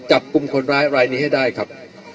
จับกลุ่มคนร้ายรายนี้ให้ได้ครับ